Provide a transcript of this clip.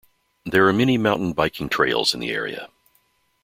There are many mountain biking trails in the area.